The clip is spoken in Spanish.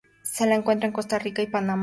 Se la encuentra en Costa Rica y Panamá.